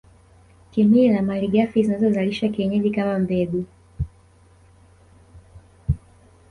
Kimila malighafi zinazozalishwa kienyeji kama mbegu